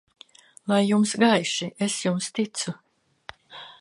Lai jums gaiši Es jums ticu!